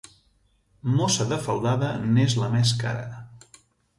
Mossa de faldada n'és la més cara.